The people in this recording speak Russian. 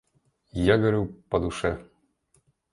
Я говорю по душе.